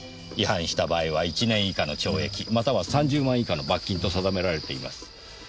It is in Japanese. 違反した場合は１年以下の懲役または３０万以下の罰金と定められています。